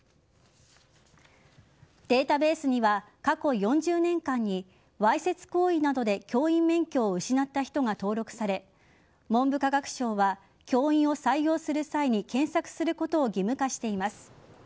データベースには過去４０年間にわいせつ行為などで教員免許を失った人が登録され文部科学省は教員を採用する際に検索することを義務化しています。